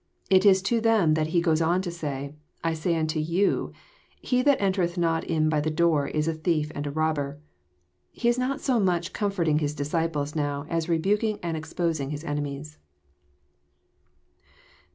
— It is to them that He goes on to say, " I say unto you, He that entereth not in by the door Is a thief and a robber." He is not so much com forting His disciples now, as rebuking and exposing His enemies.